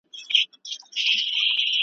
چي بنده کله مغروره په خپل ځان سي .